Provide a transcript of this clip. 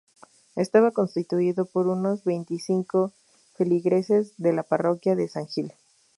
Estaba constituido por unos veinticinco feligreses de la parroquia de San Gil.